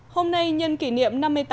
hôm nay nhân kỷ niệm năm mươi tám năm